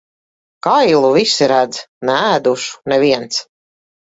Kailu visi redz, neēdušu neviens.